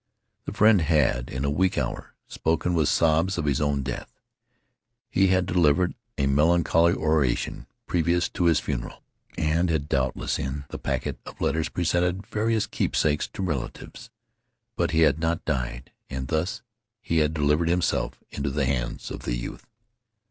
The friend had, in a weak hour, spoken with sobs of his own death. He had delivered a melancholy oration previous to his funeral, and had doubtless in the packet of letters, presented various keepsakes to relatives. But he had not died, and thus he had delivered himself into the hands of the youth.